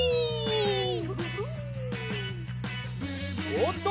おおっと！